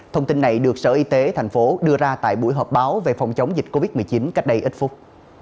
thông tin này được sở y tế thành phố đưa ra tại buổi họp báo về phòng chống dịch covid một mươi chín cách đây ít phút